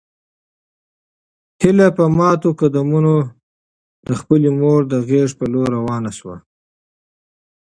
هیله په ماتو قدمونو د خپلې مور د غږ په لور روانه شوه.